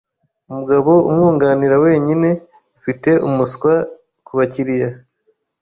Umugabo umwunganira wenyine afite umuswa kubakiriya.